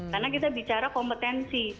karena kita bicara kompetensi